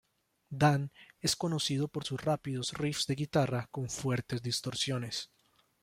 Dan es conocido por sus rápidos riffs de guitarra con fuertes distorsiones.